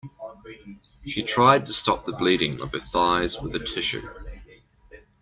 She tried to stop the bleeding of her thighs with a tissue.